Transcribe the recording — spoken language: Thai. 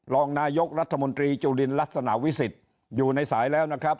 รองนายกรัฐมนตรีจุลินลักษณะวิสิทธิ์อยู่ในสายแล้วนะครับ